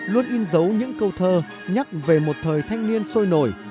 luôn in dấu những câu thơ nhắc về một thời thanh niên sôi nổi